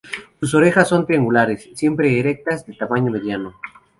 Sus orejas son triangulares, siempre erectas, de tamaño mediano.